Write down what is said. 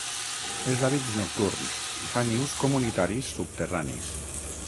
És d'hàbits nocturns i fa nius comunitaris subterranis.